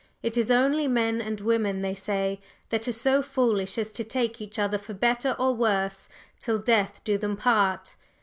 It is only men and women, they say, that are so foolish as to take each other for better or worse till death do them part.